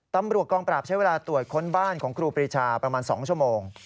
ตำรวจกองปราบใช้เวลาตรวจค้นบ้านของครูปรีชาประมาณ๒ชั่วโมง